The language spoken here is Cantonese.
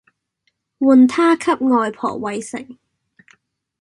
換她給外婆餵食